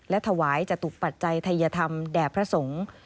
และถวายจตุปัจจัยทัยธรรมแด่พระสงฆ์